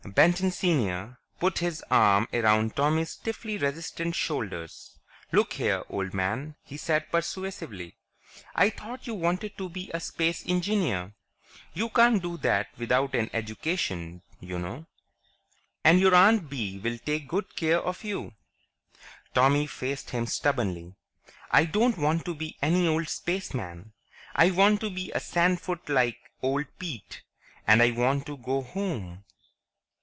'" Benton, Sr., put his arm around Tommy's stiffly resistant shoulders. "Look here, old man," he said persuasively. "I thought you wanted to be a space engineer. You can't do that without an education you know. And your Aunt Bee will take good care of you." Tommy faced him stubbornly. "I don't want to be any old spaceman. I want to be a sandfoot like old Pete. And I want to go home."